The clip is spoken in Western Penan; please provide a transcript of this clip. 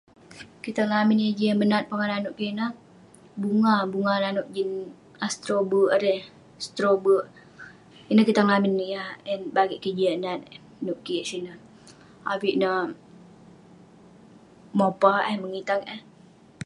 Kitang lamin yah jian menat pongah naneuk kik ineh, bunga, bunga naneuk jin astro bek erei. Straw bek. Ineh kitang lamin yah en bagik kik jiak nat eh neuk kik sineh. Avik ne mopa eh mengitang eh.